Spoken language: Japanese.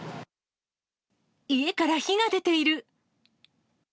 家から火が出ている。